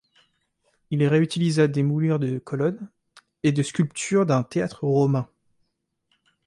Il réutilisa des moulures de colonnes et de sculptures d'un théâtre romain.